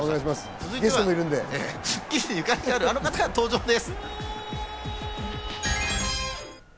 続いては『スッキリ』にゆかりがある、あの方が登場です。